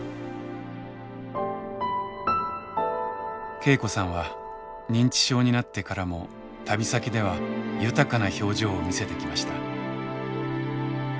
恵子さんは認知症になってからも旅先では豊かな表情を見せてきました。